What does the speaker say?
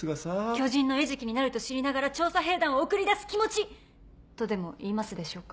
巨人の餌食になると知りながら調査兵団を送り出す気持ち！とでも言いますでしょうか。